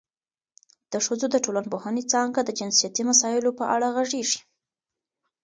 د ښځو د ټولنپوهنې څانګه د جنسیتي مسایلو په اړه غږېږي.